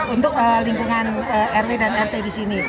untuk lingkungan rw dan rt di sini